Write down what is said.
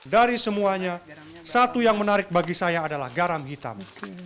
dari semuanya satu yang menarik bagi saya adalah garam hitam